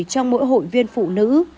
trong mỗi hội viên phụ nữ